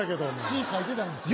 詩書いてたんですよ。